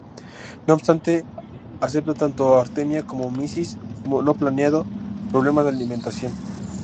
No obstante, acepta tanto artemia como mysis, no planteando problemas de alimentación.